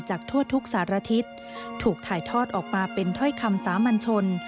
ทั่วทุกสารทิศถูกถ่ายทอดออกมาเป็นถ้อยคำสามัญชน